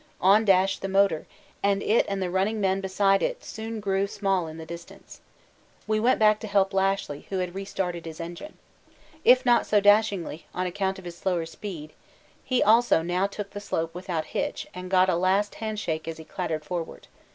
On dashed the motor, and it and the running men beside it soon grew small in the distance. We went back to help Lashly, who had restarted his engine. If not so dashingly, on account of his slower speed, he also now took the slope without hitch and got a last handshake as he clattered forward.